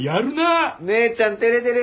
姉ちゃん照れてる。